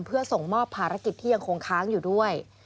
เพื่อส่งมอบภารกิจที่ยังคงค้างอยู่ด้วย